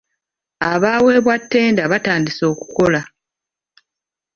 Abaaweebwa ttenda batandise okukola.